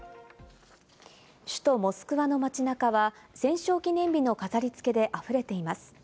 首都モスクワの街中は戦勝記念日の飾り付けで溢れています。